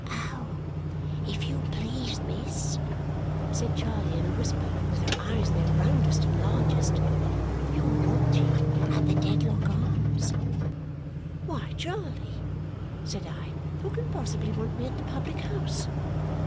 "Oh! If you please, miss," said Charley in a whisper, with her eyes at their roundest and largest. "You're wanted at the Dedlock Arms." "Why, Charley," said I, "who can possibly want me at the public house?"